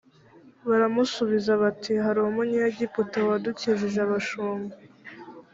baramusubiza bati hari umunyegiputan wadukijije abashumba